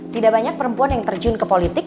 tidak banyak perempuan yang terjun ke politik